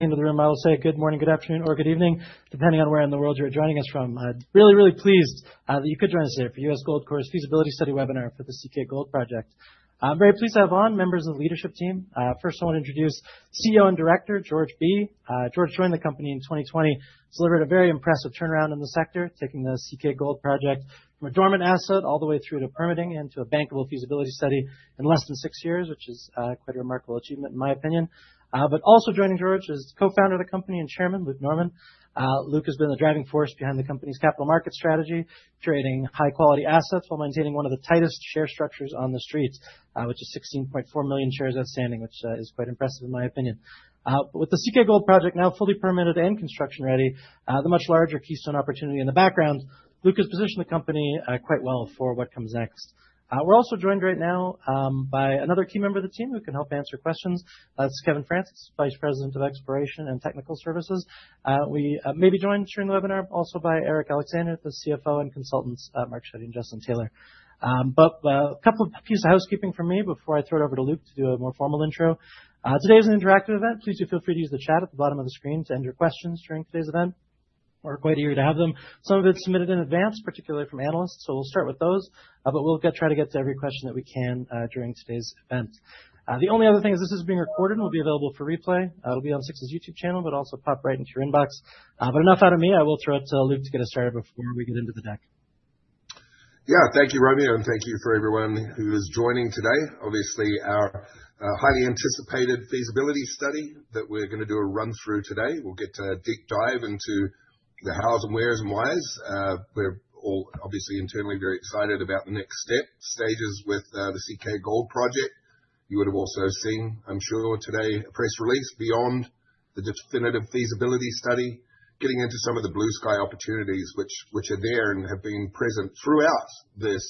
Into the room, I will say good morning, good afternoon, or good evening, depending on where in the world you're joining us from. I'm really, really pleased that you could join us today for U.S. Gold Corp.'s feasibility study webinar for the CK Gold Project. I'm very pleased to have on members of the leadership team. First I wanna introduce CEO and Director, George Bee. George joined the company in 2020, delivered a very impressive turnaround in the sector, taking the CK Gold Project from a dormant asset all the way through to permitting into a bankable feasibility study in less than six years, which is quite a remarkable achievement in my opinion. Also joining George is Co-Founder of the company and Chairman, Luke Norman. Luke has been the driving force behind the company's capital market strategy, curating high quality assets while maintaining one of the tightest share structures on the streets, which is 16.4 million shares outstanding, which is quite impressive in my opinion. With the CK Gold Project now fully permitted and construction ready, the much larger Keystone opportunity in the background, Luke has positioned the company quite well for what comes next. We're also joined right now by another key member of the team who can help answer questions. That's Kevin Francis, Vice President of Exploration and Technical Services. We may be joined during the webinar also by Eric Alexander, the CFO, and consultants Mark Shedden and Justin Taylor. A couple of pieces of housekeeping from me before I throw it over to Luke to do a more formal intro. Today is an interactive event. Please do feel free to use the chat at the bottom of the screen to enter questions during today's event. We're quite eager to have them. Some of it's submitted in advance, particularly from analysts, so we'll start with those, but we'll try to get to every question that we can during today's event. The only other thing is this is being recorded and will be available for replay. It'll be on Swiss YouTube channel, but also pop right into your inbox. Enough out of me. I will throw it to Luke to get us started before we get into the deck. Yeah. Thank you, Romeo, and thank you for everyone who is joining today. Obviously, our highly anticipated feasibility study that we're gonna do a run-through today. We'll get to do a deep dive into the hows and wheres and whys. We're all obviously internally very excited about the next stages with the CK Gold Project. You would have also seen, I'm sure today, a press release beyond the definitive feasibility study, getting into some of the blue sky opportunities which are there and have been present throughout this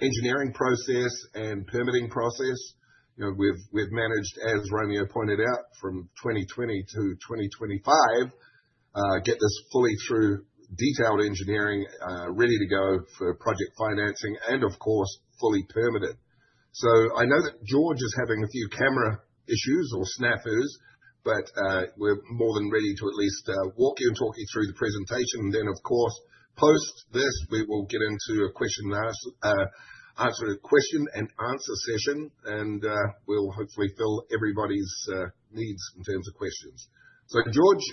engineering process and permitting process. You know, we've managed, as Romeo pointed out, from 2020-2025, get this fully through detailed engineering, ready to go for project financing and of course, fully permitted. I know that George is having a few camera issues or snafus, but we're more than ready to at least walk you and talk you through the presentation. Of course, post this, we will get into a question and answer session, and we'll hopefully fill everybody's needs in terms of questions. George,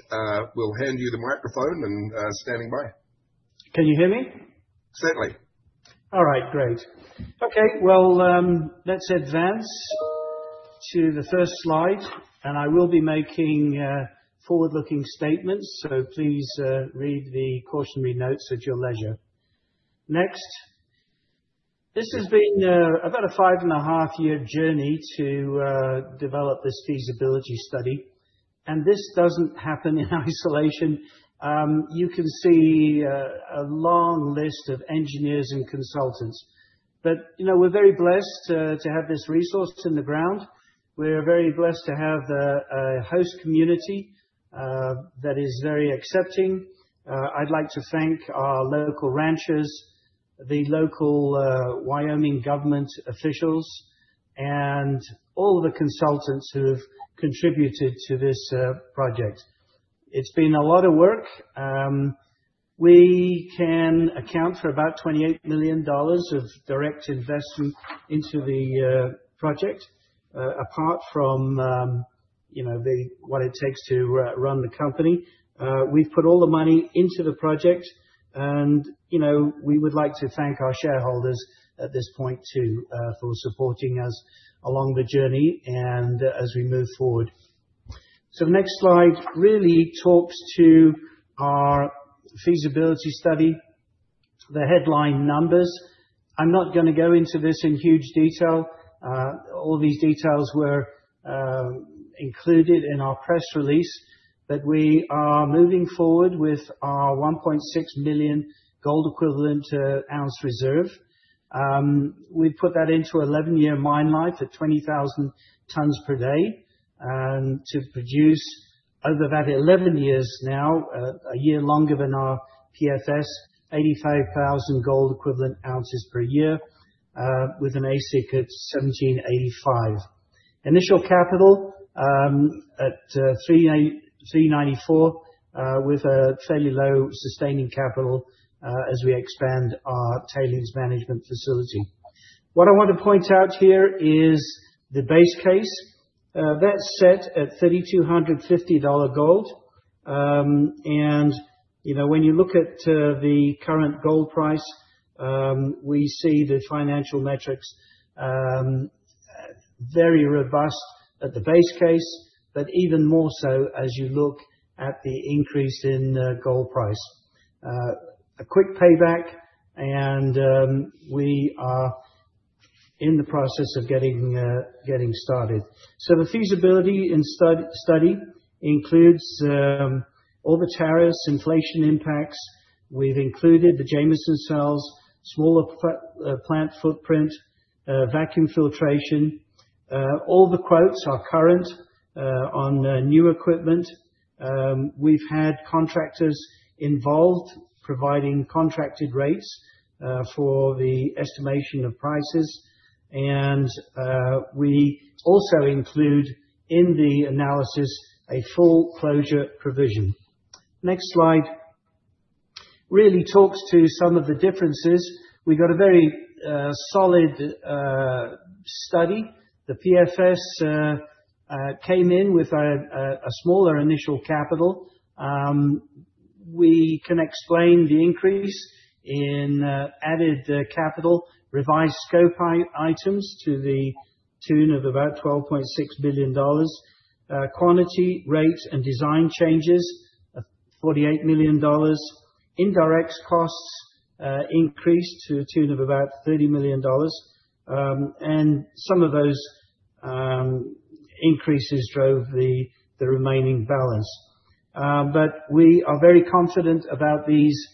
we'll hand you the microphone and standing by. Can you hear me? Certainly. All right. Great. Okay. Well, let's advance to the first slide, and I will be making forward-looking statements. Please read the cautionary notes at your leisure. Next. This has been about a 5.5-year journey to develop this feasibility study, and this doesn't happen in isolation. You can see a long list of engineers and consultants. You know, we're very blessed to have this resource in the ground. We're very blessed to have a host community that is very accepting. I'd like to thank our local ranchers, the local Wyoming government officials, and all the consultants who have contributed to this project. It's been a lot of work. We can account for about $28 million of direct investment into the project. Apart from, you know, what it takes to run the company. We've put all the money into the project and, you know, we would like to thank our shareholders at this point too, for supporting us along the journey and as we move forward. Next slide really talks to our feasibility study, the headline numbers. I'm not gonna go into this in huge detail. All these details were included in our press release, but we are moving forward with our 1.6 million gold equivalent ounce reserve. We've put that into 11-year mine life at 20,000 tons per day, and to produce over that 11 years now, a year longer than our PFS, 85,000 gold equivalent ounces per year, with an AISC of $1,785. Initial capital at $394 million with a fairly low sustaining capital as we expand our tailings management facility. What I want to point out here is the base case. That's set at $3,250 gold. You know, when you look at the current gold price, we see the financial metrics very robust at the base case, but even more so as you look at the increase in gold price. A quick payback and we are in the process of getting started. The feasibility study includes all the tariffs, inflation impacts. We've included the Jameson Cells, smaller plant footprint, vacuum filtration. All the quotes are current on new equipment. We've had contractors involved providing contracted rates for the estimation of prices and we also include in the analysis a full closure provision. Next slide. Really talks to some of the differences. We've got a very solid study. The PFS came in with a smaller initial capital. We can explain the increase in added capital, revised scope items to the tune of about $12.6 billion. Quantity, rate, and design changes of $48 million. Indirect costs increased to a tune of about $30 million. Some of those increases drove the remaining balance. We are very confident about these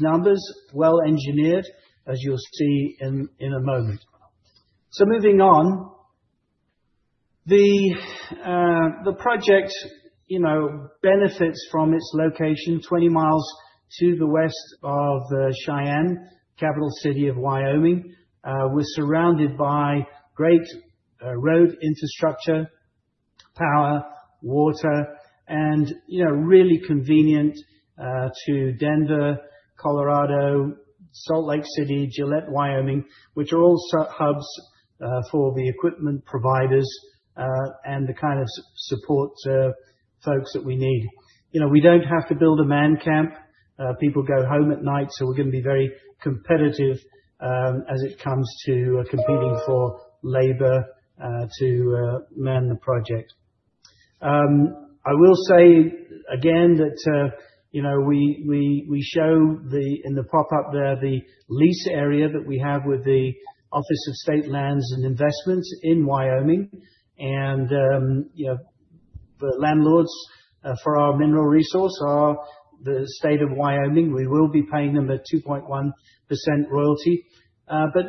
numbers, well engineered, as you'll see in a moment. Moving on. The project, you know, benefits from its location 20 miles to the west of Cheyenne, capital city of Wyoming. We're surrounded by great road infrastructure, power, water, and, you know, really convenient to Denver, Colorado, Salt Lake City, Gillette, Wyoming, which are all supply hubs for the equipment providers and the kind of support folks that we need. You know, we don't have to build a man camp. People go home at night, so we're gonna be very competitive as it comes to competing for labor to man the project. I will say again that, you know, we show the, in the pop-up there, the lease area that we have with the Office of State Lands and Investments in Wyoming You know, the landlords for our mineral resource are the State of Wyoming. We will be paying them a 2.1% royalty.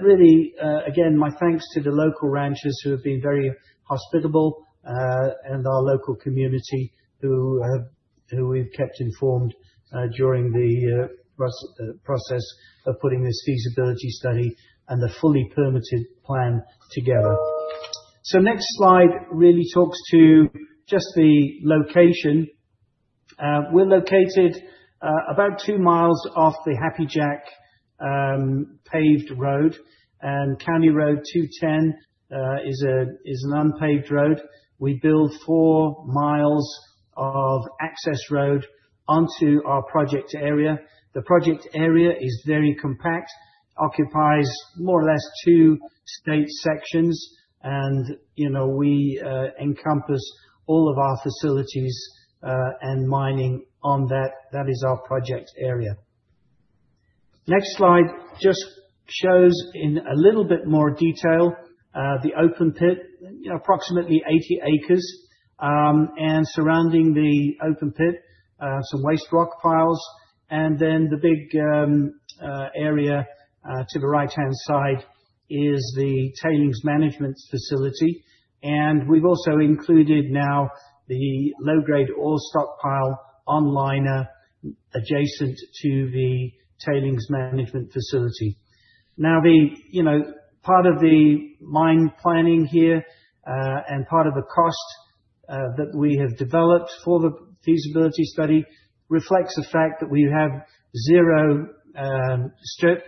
Really, again, my thanks to the local ranchers who have been very hospitable, and our local community who we've kept informed during the process of putting this feasibility study and the fully permitted plan together. Next slide really talks to just the location. We're located about 2 mi off the Happy Jack paved road. County Road 210 is an unpaved road. We build 4 mi of access road onto our project area. The project area is very compact, occupies more or less two state sections. You know, we encompass all of our facilities and mining on that. That is our project area. Next slide just shows in a little bit more detail the open pit, you know, approximately 80 acres. Surrounding the open pit, some waste rock piles. The big area to the right-hand side is the tailings management facility. We've also included now the low-grade ore stockpile on liner adjacent to the tailings management facility. Now, you know, the part of the mine planning here and part of the cost that we have developed for the feasibility study reflects the fact that we have zero strip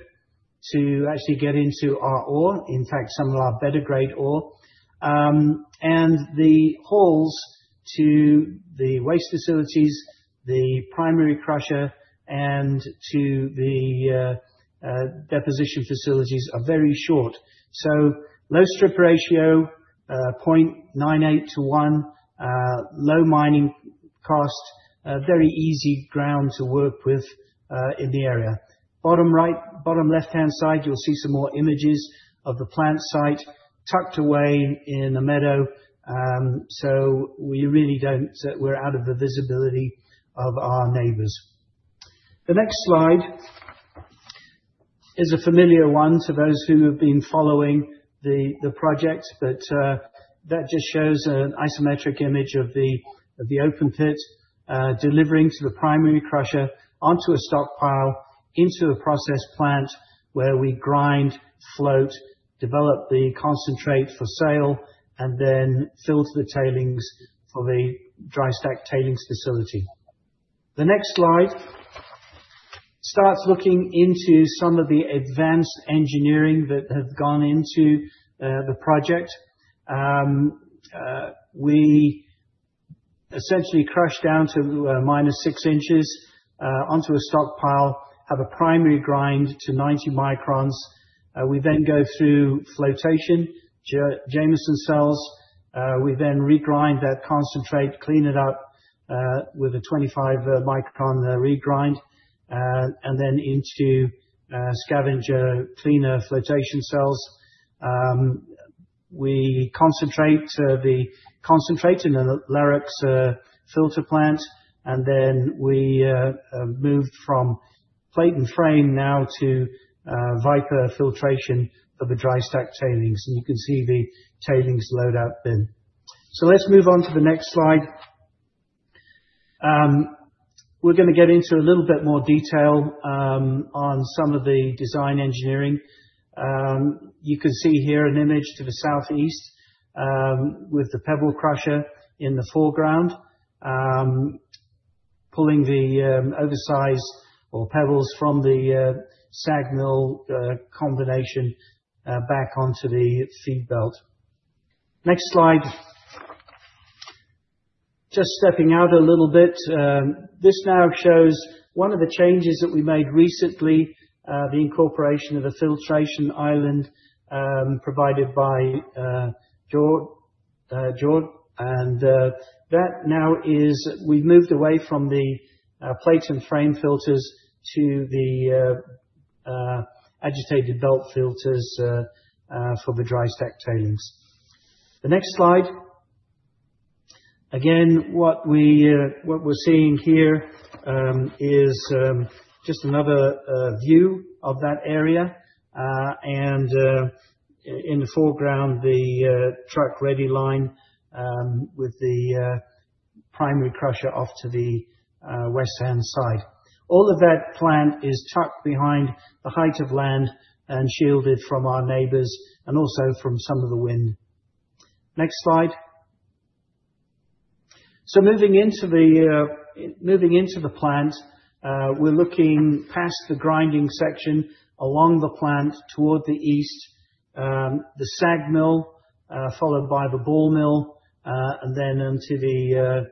to actually get into our ore, in fact, some of our better grade ore. The hauls to the waste facilities, the primary crusher, and to the deposition facilities are very short. Low strip ratio, 0.98-1, low mining cost, very easy ground to work with, in the area. Bottom right, bottom left-hand side, you'll see some more images of the plant site tucked away in a meadow. We really don't sit. We're out of the visibility of our neighbors. The next slide is a familiar one to those who have been following the project. That just shows an isometric image of the open pit, delivering to the primary crusher onto a stockpile, into a process plant where we grind, float, develop the concentrate for sale, and then filter the tailings for the dry stack tailings facility. The next slide starts looking into some of the advanced engineering that have gone into the project. We essentially crush down to -6 in onto a stockpile, have a primary grind to 90 µm. We then go through flotation, Jameson Cells. We then regrind that concentrate, clean it up with a 25-µm regrind, and then into scavenger cleaner flotation cells. We concentrate the concentrate in a Larox filter plant, and then we move from plate and frame now to Viper filtration for the dry stack tailings. You can see the tailings load out bin. Let's move on to the next slide. We're gonna get into a little bit more detail on some of the design engineering. You can see here an image to the southeast with the pebble crusher in the foreground. Pulling the oversize or pebbles from the SAG mill combination back onto the feed belt. Next slide. Just stepping out a little bit, this now shows one of the changes that we made recently, the incorporation of a filtration island provided by Jord. That now is, we've moved away from the plate and frame filters to the agitated belt filters for the dry stack tailings. The next slide. Again, what we're seeing here is just another view of that area. In the foreground, the truck ready line with the primary crusher off to the western side. All of that plant is tucked behind the height of land and shielded from our neighbors and also from some of the wind. Next slide. Moving into the plant, we're looking past the grinding section along the plant toward the east. The SAG mill, followed by the ball mill, and then onto the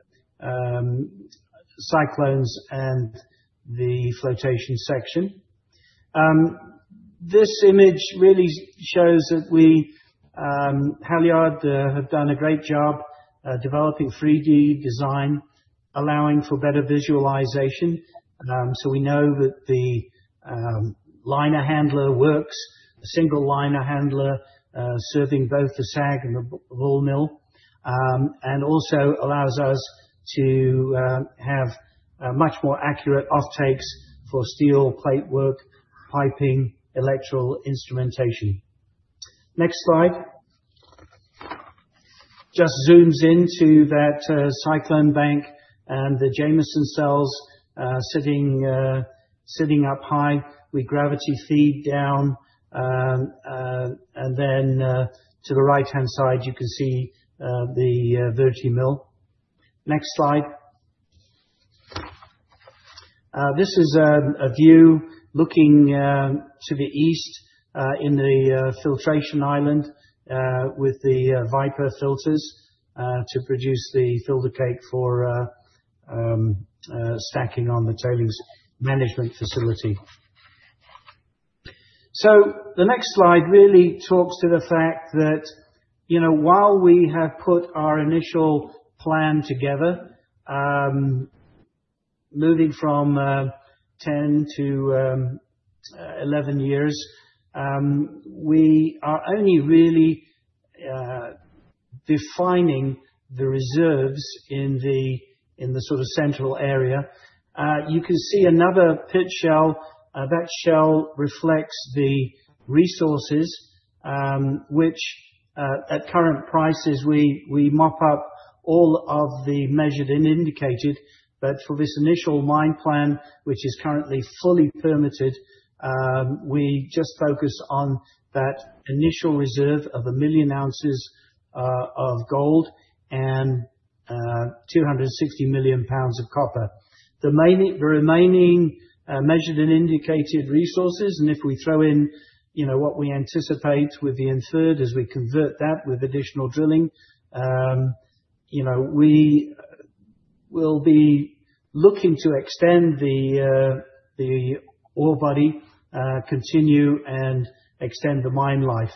cyclones and the flotation section. This image really shows that we, Halyard, have done a great job developing 3D design, allowing for better visualization. We know that the liner handler works. A single liner handler serving both the SAG and the ball mill and also allows us to have a much more accurate off-takes for steel platework, piping, electrical instrumentation. Next slide. Just zooms into that cyclone bank and the Jameson Cells sitting up high with gravity feed down. To the right-hand side, you can see the Vertimill. Next slide. This is a view looking to the east in the filtration island with the Viper filters to produce the filter cake for stacking on the tailings management facility. The next slide really talks to the fact that, you know, while we have put our initial plan together, moving from 10 to 11 years, we are only really defining the reserves in the sort of central area. You can see another pit shell. That shell reflects the resources, which at current prices, we mop up all of the measured and indicated. For this initial mine plan, which is currently fully permitted, we just focus on that initial reserve of 1 million ounces of gold and 260 million lbs of copper. The remaining measured and indicated resources, and if we throw in, you know, what we anticipate with the inferred as we convert that with additional drilling, you know, we will be looking to extend the ore body, continue and extend the mine life.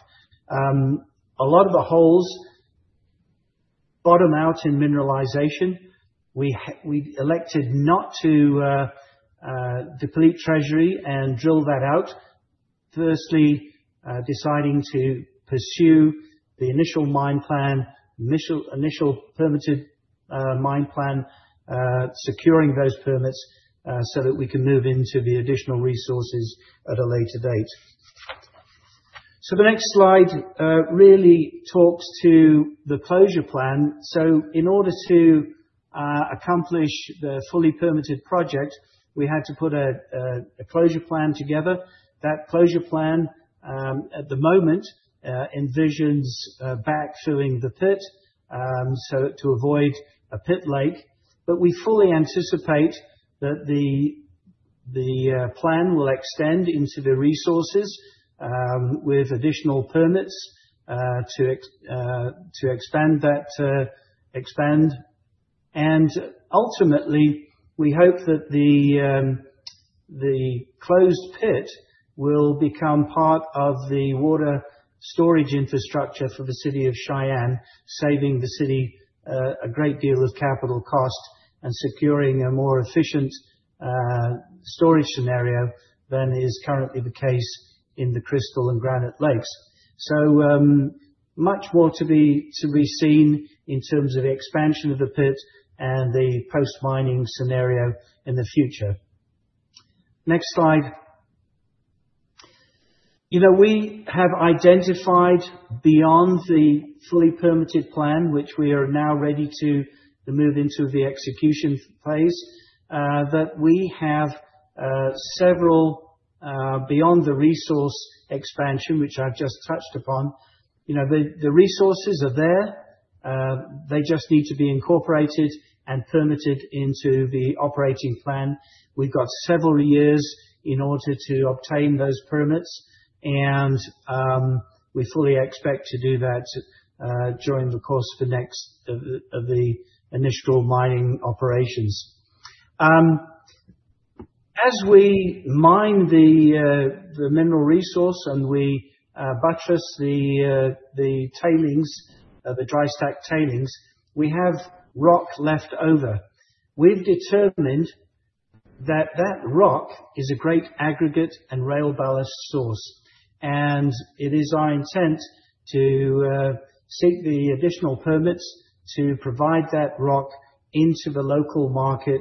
A lot of the holes bottom out in mineralization. We elected not to deplete treasury and drill that out, firstly, deciding to pursue the initial permitted mine plan, securing those permits, so that we can move into the additional resources at a later date. The next slide really talks to the closure plan. In order to accomplish the fully permitted project, we had to put a closure plan together. That closure plan at the moment envisions backfilling the pit so to avoid a pit lake. We fully anticipate that the plan will extend into the resources with additional permits to expand that. Ultimately, we hope that the closed pit will become part of the water storage infrastructure for the city of Cheyenne, saving the city a great deal of capital cost and securing a more efficient storage scenario than is currently the case in the Crystal and Granite lakes. Much more to be seen in terms of expansion of the pit and the post-mining scenario in the future. Next slide. You know, we have identified beyond the fully permitted plan, which we are now ready to move into the execution phase, that we have several beyond the resource expansion which I've just touched upon, you know, the resources are there, they just need to be incorporated and permitted into the operating plan. We've got several years in order to obtain those permits, and we fully expect to do that during the course of the next of the initial mining operations. As we mine the mineral resource and we buttress the tailings, the dry stack tailings, we have rock left over. We've determined that rock is a great aggregate and rail ballast source, and it is our intent to seek the additional permits to provide that rock into the local market,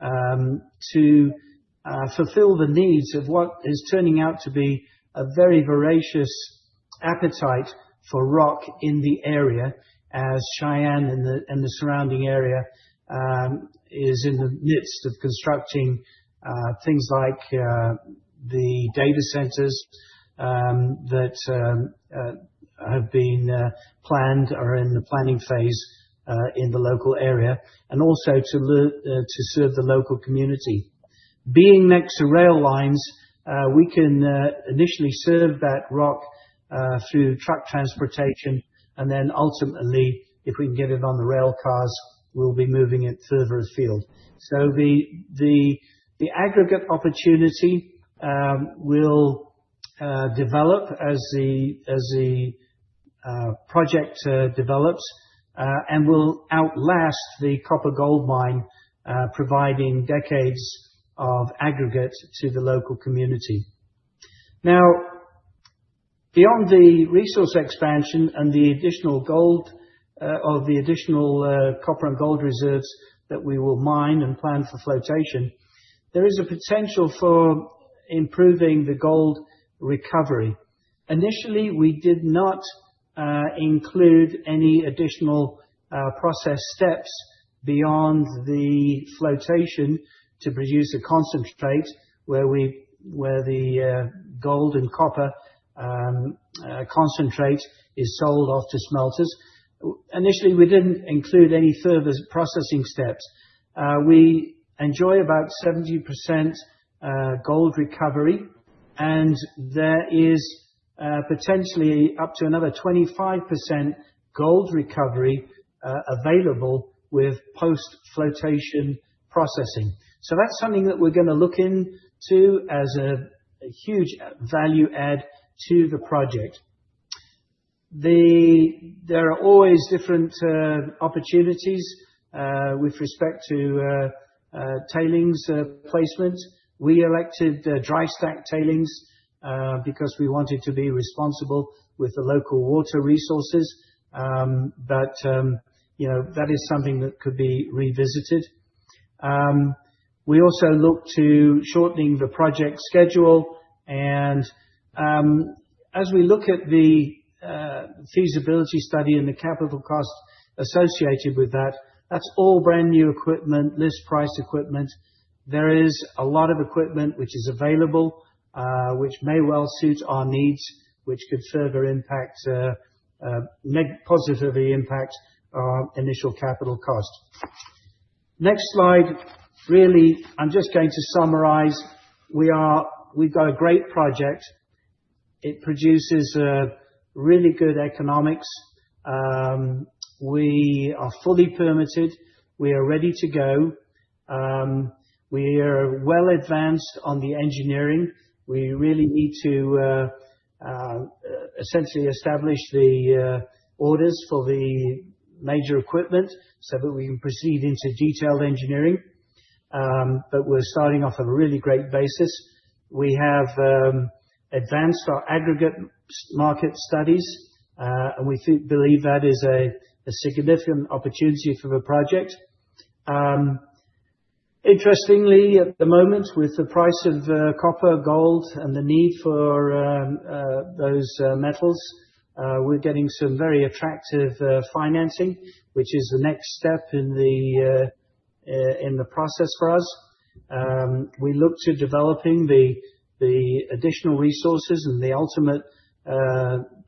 to fulfill the needs of what is turning out to be a very voracious appetite for rock in the area as Cheyenne and the surrounding area is in the midst of constructing things like the data centers that have been planned or in the planning phase in the local area and also to serve the local community. Being next to rail lines, we can initially serve that rock through truck transportation and then ultimately, if we can get it on the rail cars, we'll be moving it further afield. The aggregate opportunity will develop as the project develops and will outlast the copper-gold mine, providing decades of aggregate to the local community. Now, beyond the resource expansion and the additional copper and gold reserves that we will mine and plan for flotation, there is a potential for improving the gold recovery. Initially, we did not include any additional process steps beyond the flotation to produce a concentrate where the gold and copper concentrate is sold off to smelters. Initially, we didn't include any further processing steps. We enjoy about 70% gold recovery, and there is potentially up to another 25% gold recovery available with post-flotation processing. That's something that we're gonna look into as a huge value add to the project. There are always different opportunities with respect to tailings placement. We elected dry stack tailings because we wanted to be responsible with the local water resources. You know, that is something that could be revisited. We also look to shortening the project schedule and as we look at the feasibility study and the capital cost associated with that, that's all brand-new equipment, list-price equipment. There is a lot of equipment which is available which may well suit our needs, which could further make a positive impact on our initial capital cost. Next slide. Really, I'm just going to summarize. We've got a great project. It produces really good economics. We are fully permitted. We are ready to go. We are well advanced on the engineering. We really need to essentially establish the orders for the major equipment so that we can proceed into detailed engineering. We're starting off on a really great basis. We have advanced our aggregates market studies and we believe that is a significant opportunity for the project. Interestingly, at the moment, with the price of copper, gold, and the need for those metals, we're getting some very attractive financing, which is the next step in the process for us. We look to developing the additional resources and the ultimate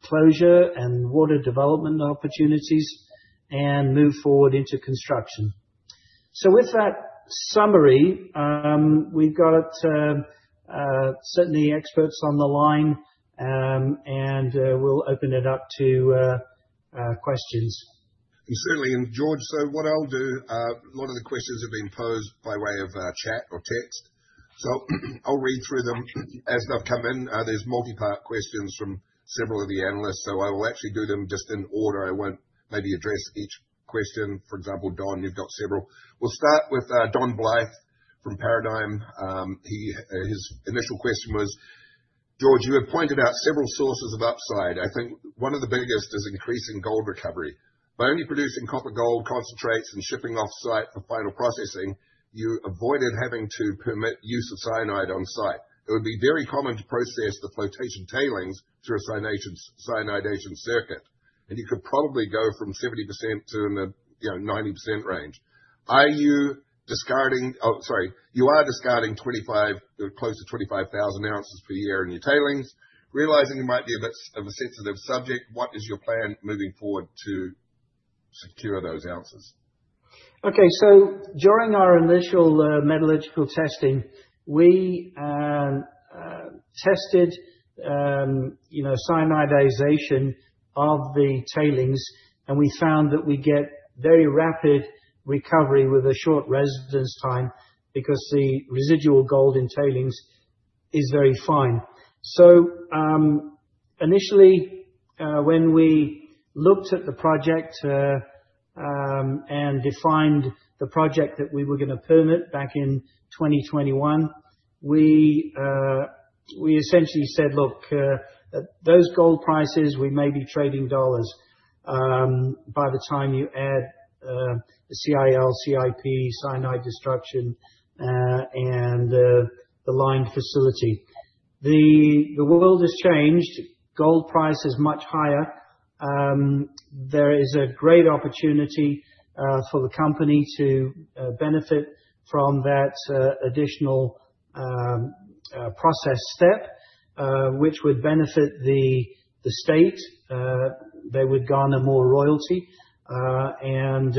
closure and water development opportunities and move forward into construction. With that summary, we've got certainly experts on the line, and we'll open it up to questions. Certainly. George, what I'll do, a lot of the questions have been posed by way of chat or text, so I'll read through them as they've come in. There's multi-part questions from several of the analysts, so I will actually do them just in order. I won't maybe address each question. For example, Don, you've got several. We'll start with Don Blyth from Paradigm. His initial question was, George, you have pointed out several sources of upside. I think one of the biggest is increasing gold recovery. By only producing copper gold concentrates and shipping off-site for final processing, you avoided having to permit use of cyanide on-site. It would be very common to process the flotation tailings through a cyanidation circuit. You could probably go from 70% to in the, you know, 90% range. Are you discarding... Oh, sorry. You are discarding 25,000 oz, close to 25,000 oz per year in your tailings. Realizing it might be a bit of a sensitive subject, what is your plan moving forward to secure those ounces? Okay. During our initial metallurgical testing, we tested you know cyanidation of the tailings, and we found that we get very rapid recovery with a short residence time because the residual gold in tailings is very fine. Initially, when we looked at the project and defined the project that we were gonna permit back in 2021, we essentially said, "Look, at those gold prices, we may be trading dollars by the time you add the CIL, CIP, cyanide destruction and the lined facility." The world has changed. Gold price is much higher. There is a great opportunity for the company to benefit from that additional process step which would benefit the state. They would garner more royalty, and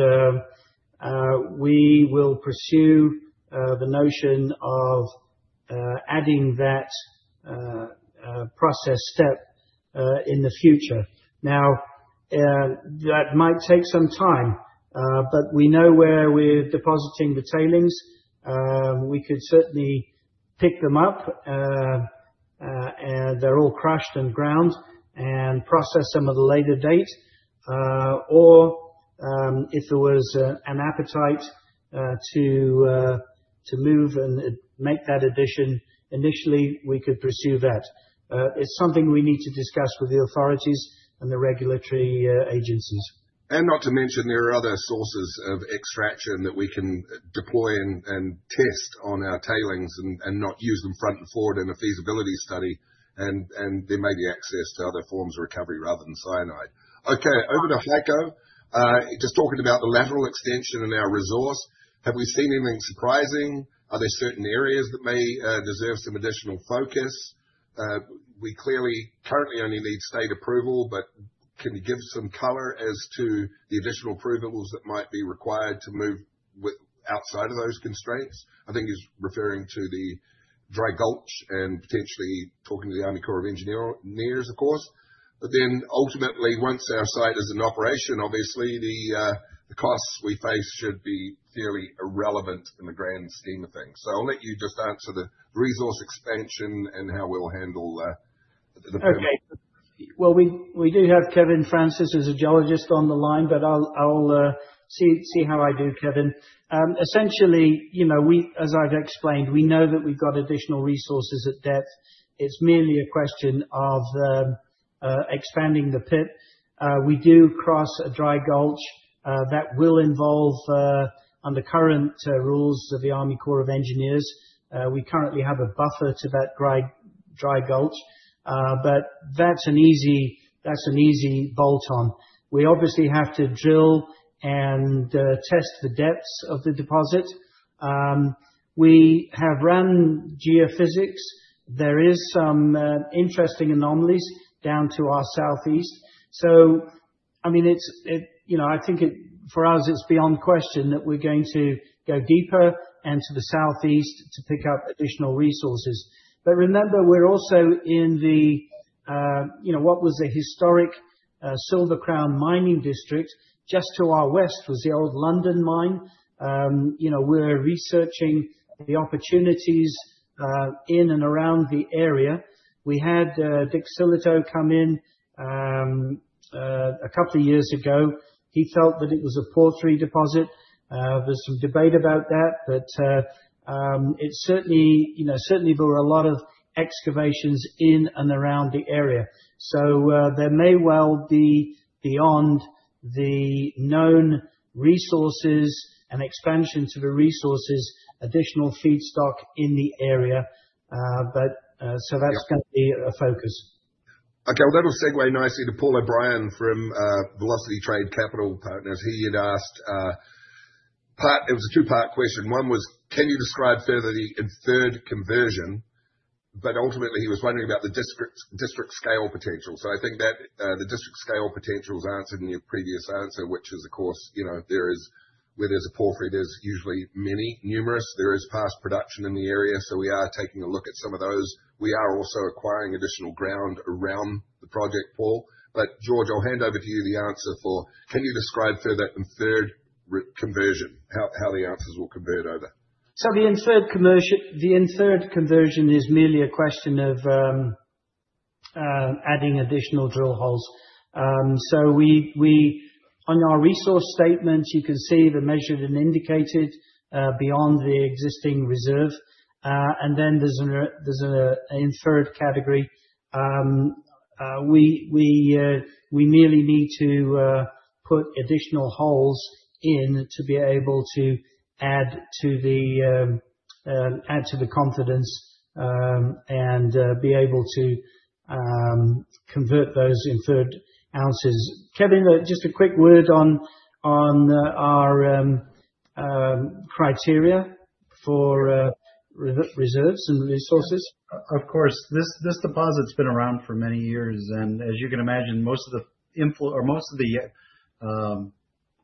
we will pursue the notion of adding that process step in the future. Now, that might take some time, but we know where we're depositing the tailings. We could certainly pick them up. They're all crushed and ground, and process them at a later date. If there was an appetite to move and make that addition initially, we could pursue that. It's something we need to discuss with the authorities and the regulatory agencies. Not to mention there are other sources of extraction that we can deploy and test on our tailings and not use them front and forward in a feasibility study. There may be access to other forms of recovery rather than cyanide. Okay. Over to Heiko. Just talking about the lateral extension in our resource, have we seen anything surprising? Are there certain areas that may deserve some additional focus? We clearly currently only need state approval, but can you give some color as to the additional approvals that might be required to move outside of those constraints? I think he's referring to the dry gulch and potentially talking to the Army Corps of Engineers, of course. Ultimately, once our site is in operation, obviously the costs we face should be fairly irrelevant in the grand scheme of things. I'll let you just answer the resource expansion and how we'll handle that. Okay. Well, we do have Kevin Francis as a geologist on the line, but I'll see how I do, Kevin. Essentially, you know, as I've explained, we know that we've got additional resources at depth. It's merely a question of expanding the pit. We do cross a dry gulch that will involve under current rules of the Army Corps of Engineers. We currently have a buffer to that dry gulch, but that's an easy bolt on. We obviously have to drill and test the depths of the deposit. We have run geophysics. There is some interesting anomalies down to our southeast. I mean, you know, I think for us, it's beyond question that we're going to go deeper and to the southeast to pick up additional resources. Remember, we're also in the you know what was the historic Silver Crown mining district. Just to our west was the old London Mine. You know, we're researching the opportunities in and around the area. We had Dick Sillitoe come in a couple of years ago. He felt that it was a porphyry deposit. There's some debate about that, but it certainly, you know, there were a lot of excavations in and around the area. There may well be beyond the known resources and expansion to the resources, additional feedstock in the area. Yeah. Gonna be a focus. Okay. Well, that'll segue nicely to Paul O'Brien from Velocity Trade Capital Partners. He had asked. It was a two-part question. One was, "Can you describe further the inferred conversion?" Ultimately, he was wondering about the district scale potential. I think that the district scale potential is answered in your previous answer, which is of course, you know, there is, where there's a porphyry there's usually many, numerous. There is past production in the area, so we are taking a look at some of those. We are also acquiring additional ground around the project, Paul. George, I'll hand over to you the answer for, "Can you describe further inferred resource conversion? How the ounces will convert over?" The inferred conversion is merely a question of adding additional drill holes. On our resource statements, you can see the measured and indicated beyond the existing reserve. Then there's an inferred category. We merely need to put additional holes in to be able to add to the confidence and be able to convert those inferred ounces. Kevin, just a quick word on our criteria for reserves and resources. Of course. This deposit's been around for many years, and as you can imagine, most of the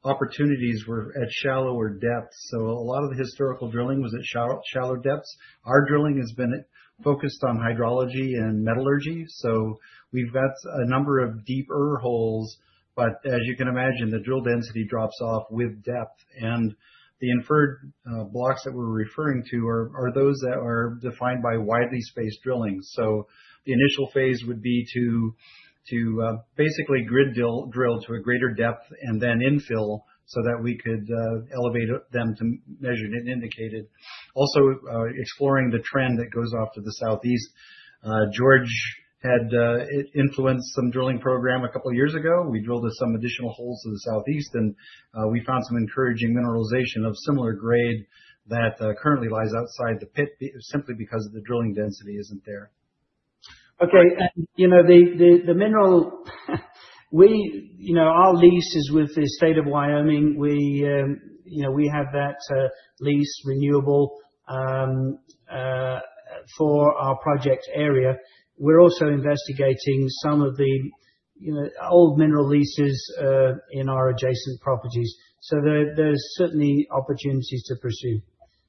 opportunities were at shallower depths. A lot of the historical drilling was at shallow depths. Our drilling has been focused on hydrology and metallurgy, so we've got a number of deeper holes. As you can imagine, the drill density drops off with depth. The inferred blocks that we're referring to are those that are defined by widely spaced drilling. The initial phase would be to basically grid drill to a greater depth and then infill so that we could elevate them to measured and indicated. Also exploring the trend that goes off to the southeast, George had influenced some drilling program a couple years ago. We drilled some additional holes to the southeast and we found some encouraging mineralization of similar grade that currently lies outside the pit simply because the drilling density isn't there. Okay. You know, our lease is with the State of Wyoming. You know, we have that lease renewable for our project area. We're also investigating some of the, you know, old mineral leases in our adjacent properties. There's certainly opportunities to pursue.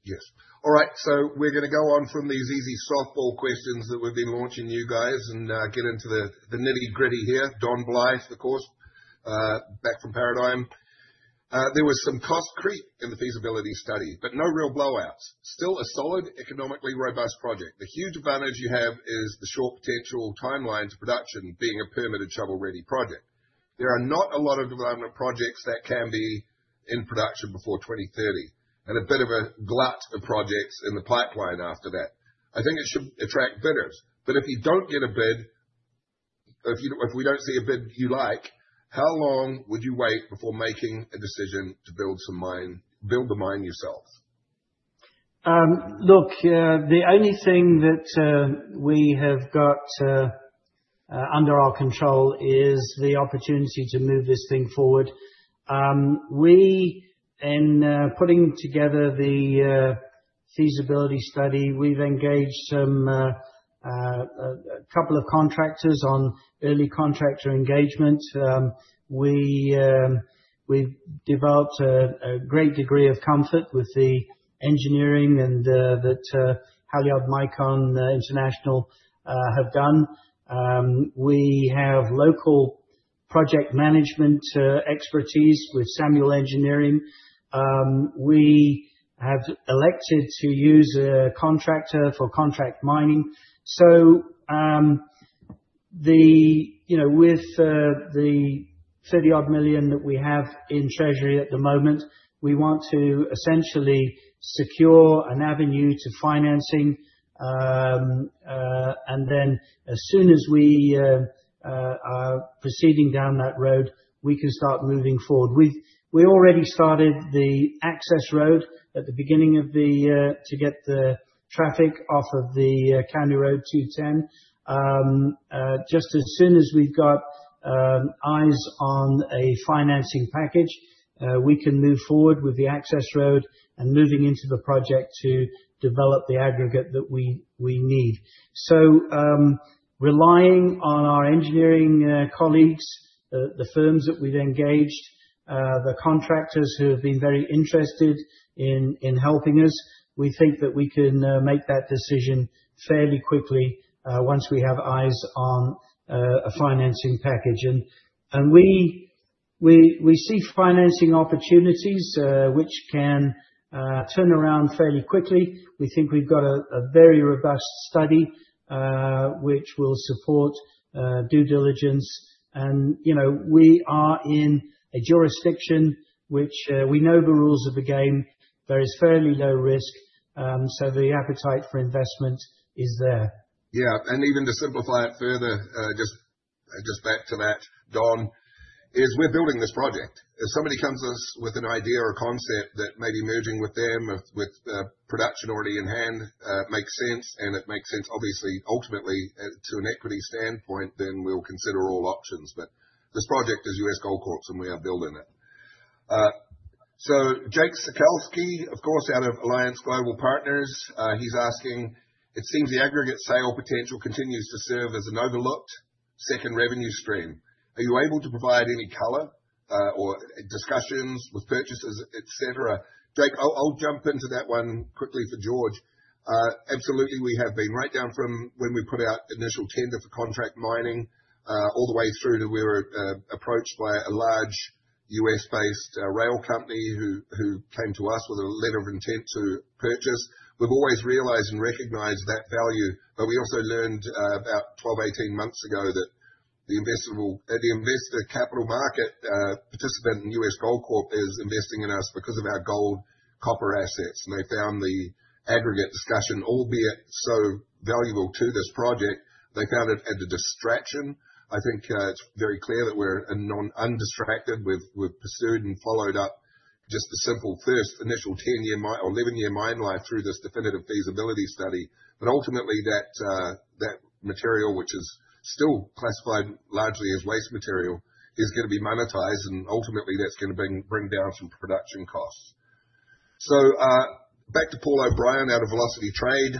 Yes. All right, we're gonna go on from these easy softball questions that we've been launching you guys and get into the nitty-gritty here. Don Blyth, of course, back from Paradigm. There was some cost creep in the feasibility study, but no real blowouts. Still a solid, economically robust project. The huge advantage you have is the short potential timeline to production being a permitted shovel-ready project. There are not a lot of development projects that can be in production before 2030, and a bit of a glut of projects in the pipeline after that. I think it should attract bidders. If we don't see a bid you like, how long would you wait before making a decision to build the mine yourselves? Look, the only thing that we have got under our control is the opportunity to move this thing forward. Putting together the feasibility study, we've engaged a couple of contractors on early contractor engagement. We've developed a great degree of comfort with the engineering and that Halyard Micon International have done. We have local project management expertise with Samuel Engineering. We have elected to use a contractor for contract mining. You know, with the $30 million-odd that we have in treasury at the moment, we want to essentially secure an avenue to financing. Then as soon as we are proceeding down that road, we can start moving forward. We already started the access road at the beginning of the year to get the traffic off of the County Road 210. Just as soon as we've got eyes on a financing package, we can move forward with the access road and moving into the project to develop the aggregate that we need. Relying on our engineering colleagues, the firms that we've engaged, the contractors who have been very interested in helping us, we think that we can make that decision fairly quickly, once we have eyes on a financing package. We see financing opportunities which can turn around fairly quickly. We think we've got a very robust study which will support due diligence. You know, we are in a jurisdiction which we know the rules of the game. There is fairly low risk, so the appetite for investment is there. Yeah. Even to simplify it further, just back to that, Don, is we're building this project. If somebody comes to us with an idea or concept that maybe merging with them or with production already in hand makes sense, and it makes sense obviously, ultimately to an equity standpoint, then we'll consider all options. This project is U.S. Gold Corp., and we are building it. Jake Sekelsky, of course, out of Alliance Global Partners, he's asking: It seems the aggregate sale potential continues to serve as an overlooked second revenue stream. Are you able to provide any color or discussions with purchasers, et cetera? Jake, I'll jump into that one quickly for George. Absolutely, we have been. Right down from when we put out initial tender for contract mining, all the way through to we were approached by a large U.S.-based rail company who came to us with a letter of intent to purchase. We've always realized and recognized that value, but we also learned about 12, 18 months ago that the investor capital market participant in U.S. Gold Corp. is investing in us because of our gold copper assets. They found the aggregate discussion, albeit so valuable to this project, they found it as a distraction. I think it's very clear that we're non-undistracted. We've pursued and followed up. Just a simple first initial 10-year or 11-year mine life through this definitive feasibility study. Ultimately that material, which is still classified largely as waste material, is gonna be monetized, and ultimately that's gonna bring down some production costs. Back to Paul O'Brien out of Velocity Trade.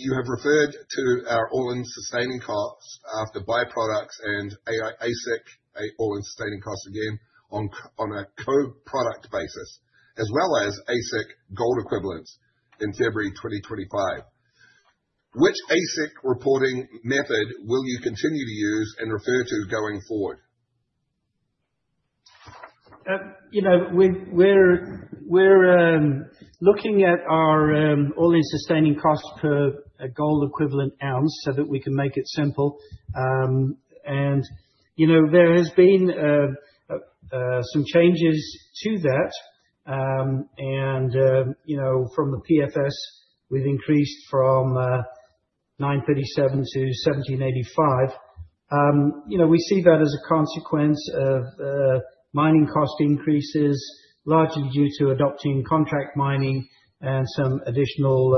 You have referred to our all-in sustaining costs after byproducts and AISC, all-in sustaining cost again, on a co-product basis as well as AISC gold equivalents in February 2025. Which AISC reporting method will you continue to use and refer to going forward? You know, we're looking at our all-in sustaining cost per gold equivalent ounce so that we can make it simple. There has been changes to that, from the PFS, we've increased from $937 to $1,785. You know, we see that as a consequence of mining cost increases, largely due to adopting contract mining and some additional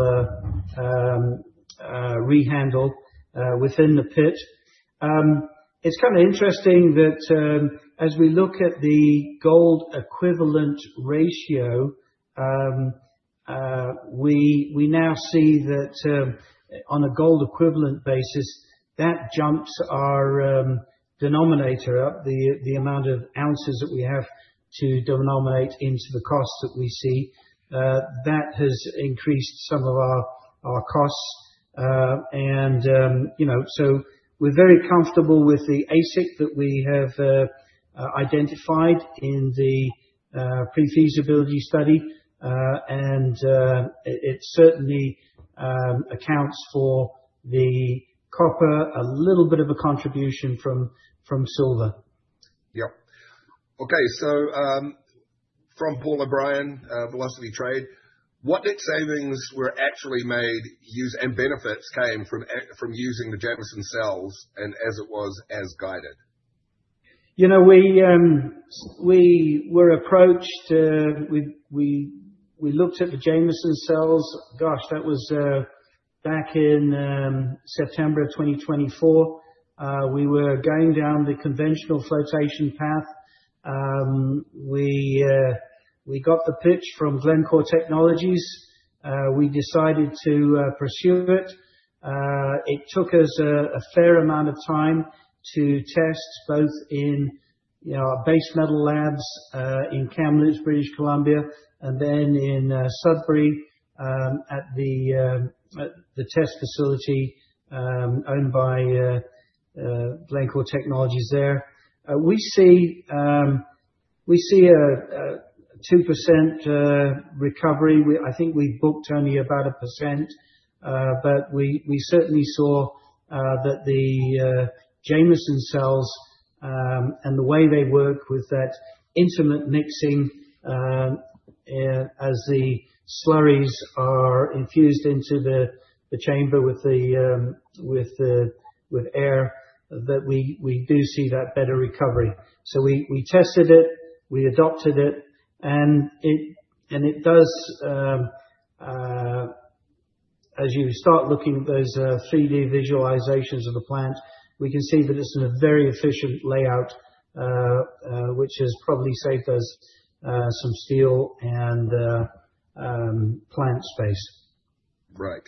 rehandle within the pit. It's kind of interesting that, as we look at the gold equivalent ratio, we now see that, on a gold equivalent basis, that jumps our denominator up, the amount of ounces that we have to denominate into the cost that we see. That has increased some of our costs. You know, we're very comfortable with the AISC that we have identified in the pre-feasibility study. It certainly accounts for the copper, a little bit of a contribution from silver. Yep. Okay. From Paul O'Brien, Velocity Trade, what net savings were actually made use and benefits came from from using the Jameson Cells and as it was guided? You know, we were approached, we looked at the Jameson Cells. Gosh, that was back in September of 2024. We were going down the conventional flotation path. We got the pitch from Glencore Technology. We decided to pursue it. It took us a fair amount of time to test both in our base metal labs in Kamloops, British Columbia, and then in Sudbury at the test facility owned by Glencore Technology there. We see a 2% recovery. I think we booked only about 1%, but we certainly saw that the Jameson Cells and the way they work with that intimate mixing, as the slurries are infused into the chamber with air, that we do see better recovery. We tested it, we adopted it, and it does, as you start looking at those 3D visualizations of the plant, we can see that it's in a very efficient layout, which has probably saved us some steel and plant space. Back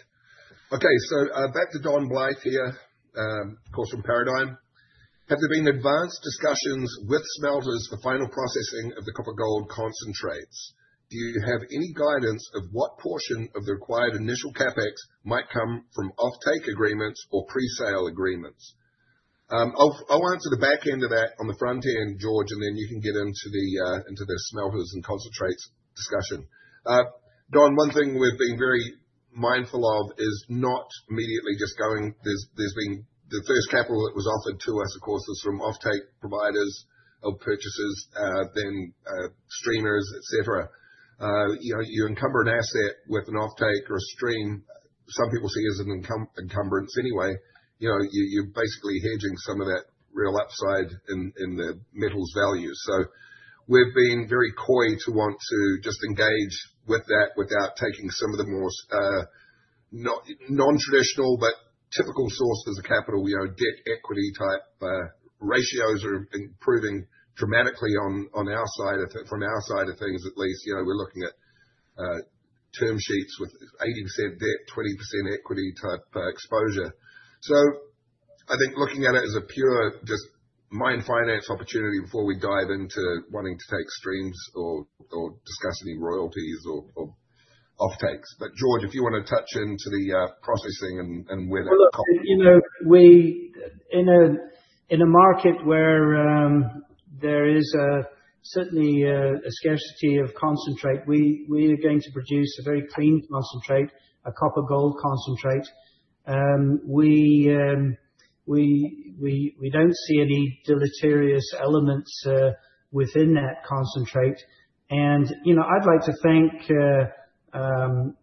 to Don Blyth here, of course, from Paradigm. Have there been advanced discussions with smelters for final processing of the copper gold concentrates? Do you have any guidance of what portion of the required initial CapEx might come from offtake agreements or presale agreements? I'll answer the back end of that. On the front end, George, and then you can get into the smelters and concentrates discussion. Don, one thing we've been very mindful of is not immediately just going. There's been the first capital that was offered to us, of course, was from offtake providers of purchases, then, streamers, et cetera. You know, you encumber an asset with an offtake or a stream some people see as an encumbrance anyway. You know, you're basically hedging some of that real upside in the metals value. We've been very coy to want to just engage with that without taking some of the more non-traditional but typical sources of capital. You know, debt equity type ratios are improving dramatically on our side of it. From our side of things at least, you know, we're looking at term sheets with 80% debt, 20% equity type exposure. I think looking at it as a pure just mine finance opportunity before we dive into wanting to take streams or discuss any royalties or offtakes. George, if you wanna touch into the processing and where that Well, look, you know, in a market where there is certainly a scarcity of concentrate, we are going to produce a very clean concentrate, a copper gold concentrate. We don't see any deleterious elements within that concentrate. You know, I'd like to thank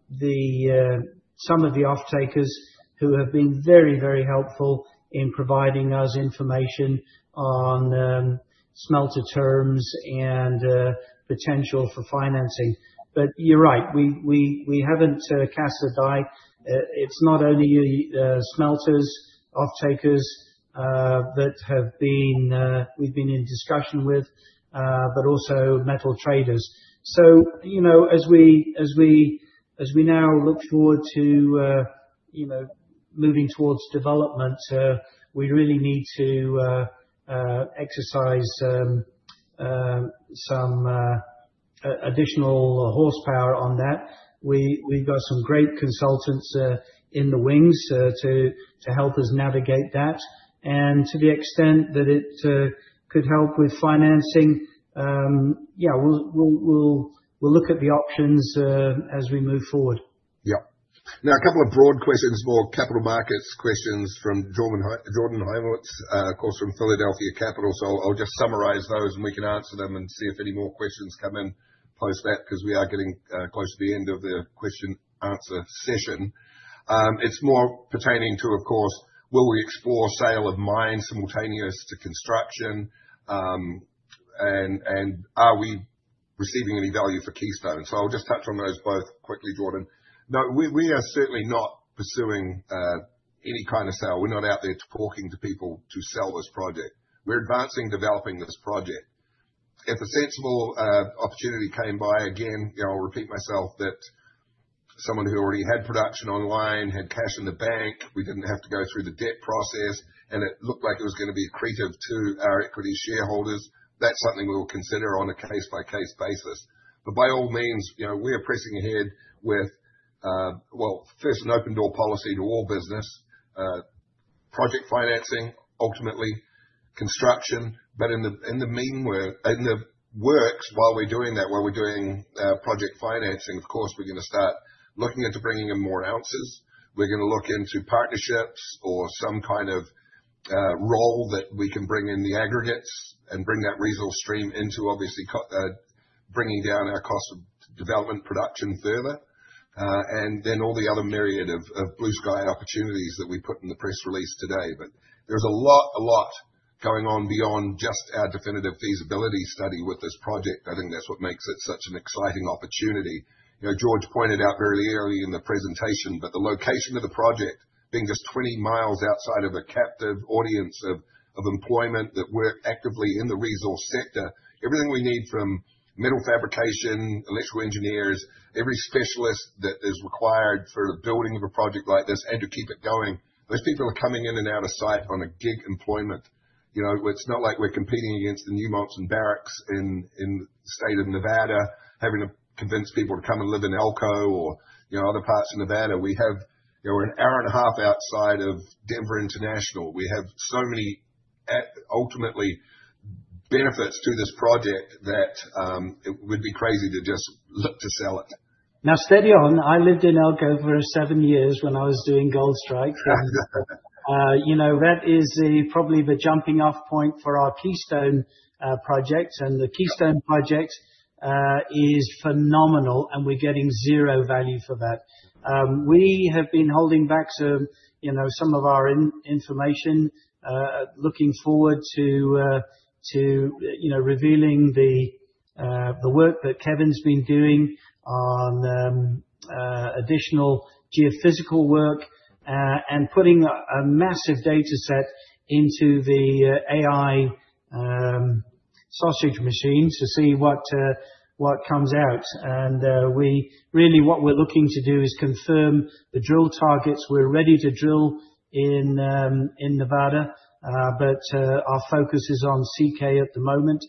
some of the off-takers who have been very, very helpful in providing us information on smelter terms and potential for financing. You're right, we haven't cast the die. It's not only the smelters, off-takers that we've been in discussion with, but also metal traders. So, you know, as we now look forward to, you know, moving towards development, we really need to exercise some additional horsepower on that. We've got some great consultants in the wings to help us navigate that. To the extent that it could help with financing, yeah, we'll look at the options as we move forward. Yeah. Now, a couple of broad questions, more capital markets questions from Jordan. Hi, Jordan Hymowitz, of course, from Philadelphia Capital. I'll just summarize those, and we can answer them and see if any more questions come in after that, because we are getting close to the end of the question and answer session. It's more pertaining to, of course, will we explore sale of mine simultaneous to construction, and are we receiving any value for Keystone? I'll just touch on those both quickly, Jordan. No, we are certainly not pursuing any kind of sale. We're not out there talking to people to sell this project. We're advancing developing this project. If a sensible opportunity came by, again, you know, I'll repeat myself that someone who already had production online, had cash in the bank, we didn't have to go through the debt process, and it looked like it was gonna be accretive to our equity shareholders, that's something we will consider on a case-by-case basis. By all means, you know, we are pressing ahead with, well, first an open door policy to all business project financing, ultimately construction. In the works, while we're doing that, while we're doing project financing, of course, we're gonna start looking into bringing in more ounces. We're gonna look into partnerships or some kind of role that we can bring in the aggregates and bring that resource stream into obviously bringing down our cost of development production further, and then all the other myriad of blue sky opportunities that we put in the press release today. There's a lot going on beyond just our definitive feasibility study with this project. I think that's what makes it such an exciting opportunity. You know, George pointed out very early in the presentation that the location of the project being just 20 mi outside of a captive audience of employment that work actively in the resource sector, everything we need from metal fabrication, electrical engineers, every specialist that is required for the building of a project like this and to keep it going, those people are coming in and out of site on a gig employment. You know, it's not like we're competing against the Newmont and Barrick in the state of Nevada, having to convince people to come and live in Elko or, you know, other parts of Nevada. We have. You know, we're 1.5 hours outside of Denver International. We have so many ultimately benefits to this project that it would be crazy to just look to sell it. Now, steady on. I lived in Elko for seven years when I was doing Goldstrike. You know, that is probably the jumping off point for our Keystone project. The Keystone project is phenomenal, and we're getting zero value for that. We have been holding back some, you know, some of our information, looking forward to you know revealing the work that Kevin's been doing on additional geophysical work, and putting a massive data set into the AI sausage machine to see what comes out. Really, what we're looking to do is confirm the drill targets. We're ready to drill in Nevada, but our focus is on CK at the moment.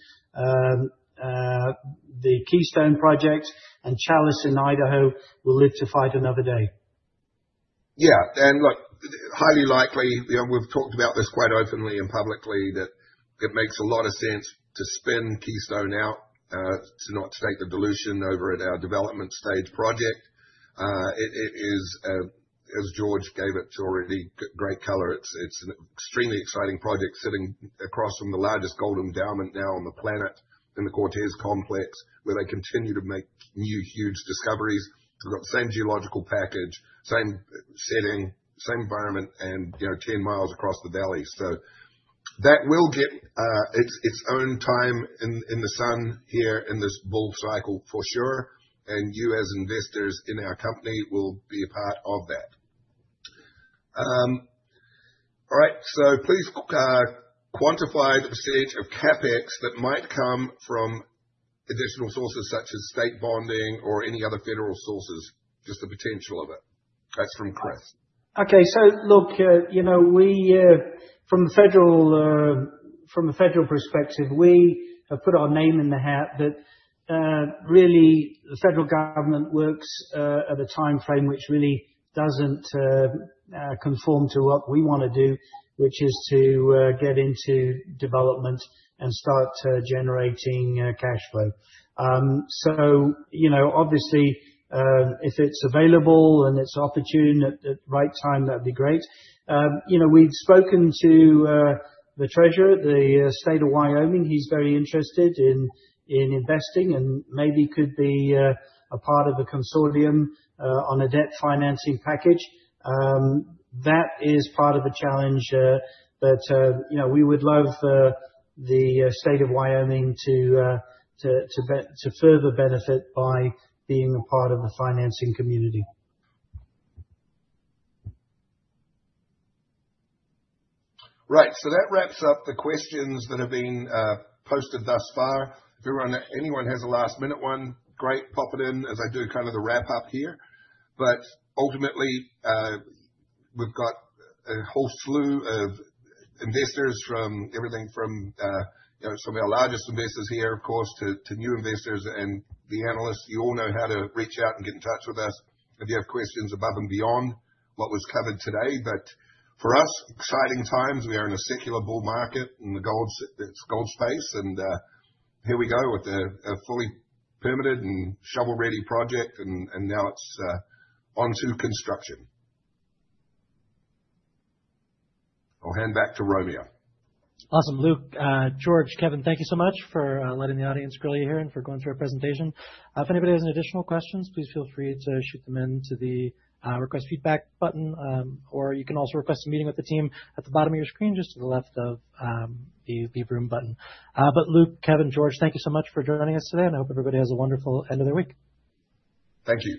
The Keystone project and Challis in Idaho will live to fight another day. Yeah. Look, highly likely, you know, we've talked about this quite openly and publicly, that it makes a lot of sense to spin Keystone out to not take the dilution over at our development stage project. It is, as George gave it already, great color. It's an extremely exciting project sitting across from the largest gold endowment now on the planet in the Cortez Complex, where they continue to make new, huge discoveries. They've got the same geological package, same setting, same environment, and, you know, 10 mi across the valley. That will get its own time in the sun here in this bull cycle for sure. You, as investors in our company, will be a part of that. All right. "Please quantify the percentage of CapEx that might come from additional sources such as state bonding or any other federal sources, just the potential of it." That's from Chris. Okay. Look, you know, we from the federal perspective, we have put our name in the hat. Really, the federal government works at a timeframe which really doesn't conform to what we wanna do, which is to get into development and start generating cash flow. You know, obviously, if it's available and it's opportune at the right time, that'd be great. You know, we've spoken to the treasurer at the State of Wyoming. He's very interested in investing and maybe could be a part of a consortium on a debt financing package. That is part of the challenge, but you know, we would love for the State of Wyoming to further benefit by being a part of the financing community. Right. That wraps up the questions that have been posted thus far. If anyone has a last-minute one, great, pop it in as I do kind of the wrap-up here. Ultimately, we've got a whole slew of investors from everything from, you know, some of our largest investors here, of course, to new investors and the analysts. You all know how to reach out and get in touch with us if you have questions above and beyond what was covered today. For us, exciting times. We are in a secular bull market in this gold space. Here we go with a fully permitted and shovel-ready project, and now it's onto construction. I'll hand back to Romeo. Awesome. Luke, George, Kevin, thank you so much for letting the audience grill you here and for going through our presentation. If anybody has any additional questions, please feel free to shoot them in to the Request Feedback button. You can also request a meeting with the team at the bottom of your screen, just to the left of the Leave Room button. Luke, Kevin, George, thank you so much for joining us today, and I hope everybody has a wonderful end of their week. Thank you.